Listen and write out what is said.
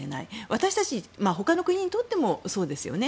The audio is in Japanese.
私たち、ほかの国にとってもそうですよね。